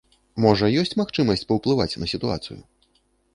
Можа, ёсць магчымасць паўплываць на сітуацыю?